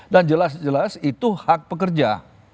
dan jelas jelas itu hak pekerja